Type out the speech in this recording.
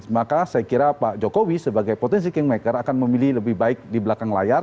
maka saya kira pak jokowi sebagai potensi kingmaker akan memilih lebih baik di belakang layar